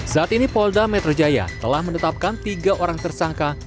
saat ini polda metro jaya telah menetapkan tiga orang tersangka